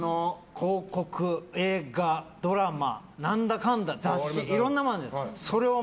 広告、映画、ドラマ雑誌、いろんなものがあるじゃないですか。